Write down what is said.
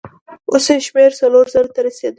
اوس يې شمېر څلورو زرو ته رسېده.